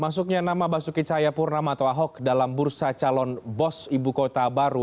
masuknya nama basuki cahayapurnama atau ahok dalam bursa calon bos ibu kota baru